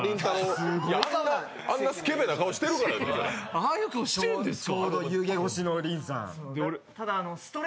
ああいう顔してるんですか？